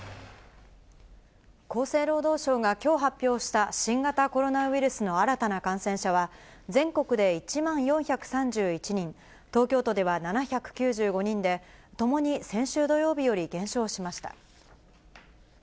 厚生労働省がきょう発表した新型コロナウイルスの新たな感染者は、全国で１万４３１人、東京都では７９５人で、ともに先週土曜日より減少しました。